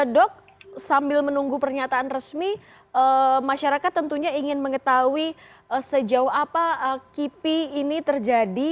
dok sambil menunggu pernyataan resmi masyarakat tentunya ingin mengetahui sejauh apa kipi ini terjadi